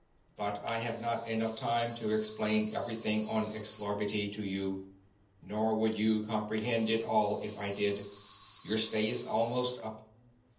"But I have not enough time to explain everything on Xlarbti to you; nor would you comprehend it all if I did. Your stay is almost up.